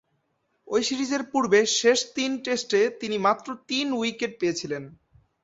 ঐ সিরিজের পূর্বে শেষ তিন টেস্টে তিনি মাত্র তিন উইকেট পেয়েছিলেন।